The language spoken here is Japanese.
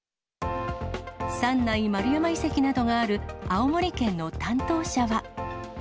三内丸山遺跡などがある青森県の担当者は。